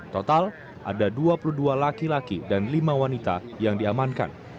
total ada dua puluh dua laki laki dan lima wanita yang diamankan